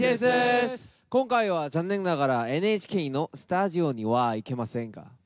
今回は残念ながらＮＨＫのスタジオには行けませんが。